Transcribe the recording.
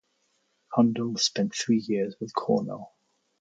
Condell spent three years with Cornell.